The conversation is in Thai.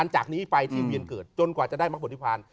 จากนี้ไฟทรีย์เวียนเกิดจนกว่าจะได้บรรคบทิพราร